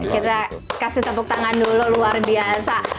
kita kasih tepuk tangan dulu luar biasa